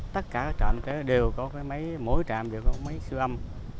tất cả trạm y tế đều có mỗi trạm có mấy siêu âm